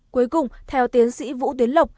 cuối cùng theo tiến sĩ vũ tiến lộc